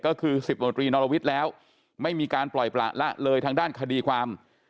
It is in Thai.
ก็คือ๑๐มนตรีนรวิทย์แล้วไม่มีการปล่อยประละเลยทางด้านคดีความ